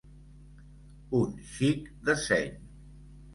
Un xic de seny.